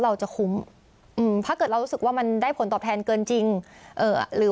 เราจะคุ้มอืมถ้าเกิดเรารู้สึกว่ามันได้ผลตอบแทนเกินจริงเอ่อหรือ